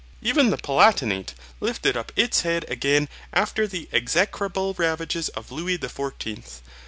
Even the Palatinate lifted up its head again after the execrable ravages of Louis the Fourteenth.